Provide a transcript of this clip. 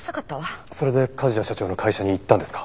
それで梶谷社長の会社に行ったんですか？